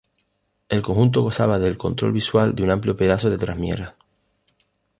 El conjunto gozaba del control visual de un amplio pedazo de Trasmiera.